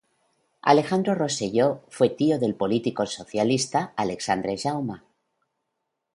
Alejandro Rosselló fue tío del político socialista Alexandre Jaume.